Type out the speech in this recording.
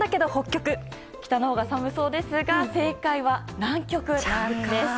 北のほうが寒そうですが正解は、南極です。